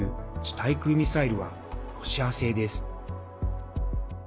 対空ミサイルはロシア製です。